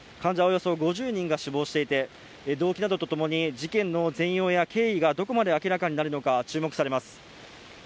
およそ５０人が死亡していて動機などとともに事件の全容や経緯がどこまで明らかになるのか注目されます